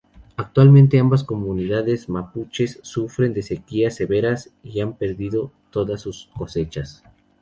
Actualmente ambas comunidades Mapuches sufren de sequías severas y han perdido todas sus cosechas.